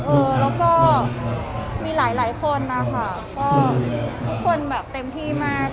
เออแล้วก็มีหลายคนนะคะก็ทุกคนแบบเต็มที่มาก